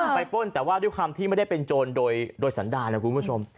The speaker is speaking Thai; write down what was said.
ไปป้นแต่ว่าด้วยความที่ไม่ได้เป็นโจรโดยสันดานะคุณผู้ชม